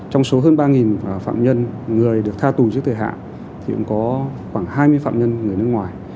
trong số hơn ba phạm nhân người được tha tù trước thời hạn thì cũng có khoảng hai mươi phạm nhân người nước ngoài